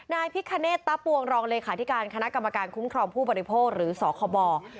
นายพิคเนตตะปวงรองเลขาธิการคณะกรรมการคุ้มครองผู้บริโภคหรือสคบ